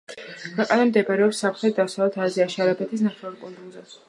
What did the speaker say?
ქვეყანა მდებარეობს სამხრეთ-დასავლეთ აზიაში, არაბეთის ნახევარკუნძულზე.